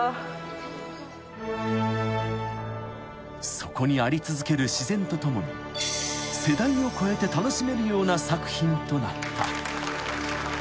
［そこにあり続ける自然と共に世代を超えて楽しめるような作品となった］